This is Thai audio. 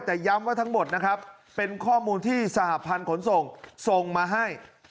แต่ย้ำว่าทั้งหมดนะครับเป็นข้อมูลที่สหพันธ์ขนส่งส่งมาให้